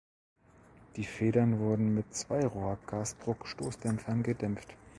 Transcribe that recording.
Die Federn wurden mit Zweirohr-Gasdruckstoßdämpfern gedämpft.